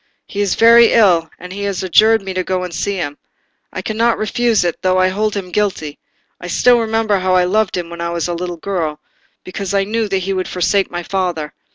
He is very ill, and he has adjured me to go and see him. I cannot refuse it, though I hold him guilty; I still remember how I loved him when I was a little girl, before I knew that he would forsake my father.